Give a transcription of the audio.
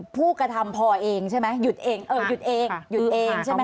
ผู้กระทำพอเองใช่ไหมหยุดเองเออหยุดเองหยุดเองใช่ไหม